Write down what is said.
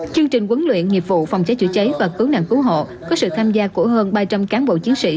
chương trình huấn luyện nghiệp vụ phòng cháy chữa cháy và cứu nạn cứu hộ có sự tham gia của hơn ba trăm linh cán bộ chiến sĩ